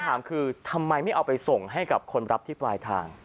ถามคือทำไมไม่เอาไปส่งให้กับคนรับที่ปลายทาง